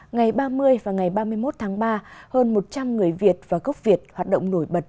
ngày ba mươi và ngày ba mươi một tháng ba hơn một trăm linh người việt và gốc việt hoạt động nổi bật